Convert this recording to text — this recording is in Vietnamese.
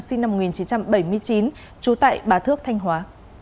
sinh năm một nghìn chín trăm bảy mươi chín trú tại bà thước thanh hóa